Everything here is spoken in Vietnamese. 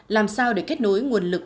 làm sao để kết nối nguồn lực